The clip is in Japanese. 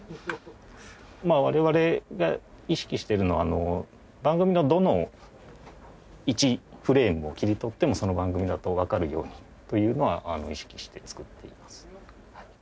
我々が意識してるのは番組のどの１フレームを切り取ってもその番組だとわかるようにというのは意識して作っています。